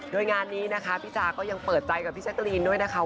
โดยงานนี้นะคะพี่จาก็ยังเปิดใจกับพี่แจ๊กรีนด้วยนะคะ